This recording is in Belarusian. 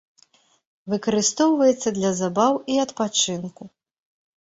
Выкарыстоўваецца для забаў і адпачынку.